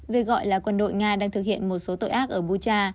việc gọi là quân đội nga đang thực hiện một số tội ác ở bucha